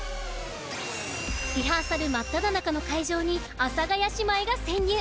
リハーサル真っただ中の会場に阿佐ヶ谷姉妹が潜入。